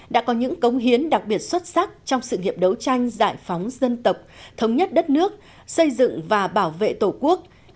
đã có những cống hiến đặc biệt xuất sắc trong sự nghiệp đấu tranh giải phóng dân tộc thống nhất đất nước xây dựng và bảo vệ tổ quốc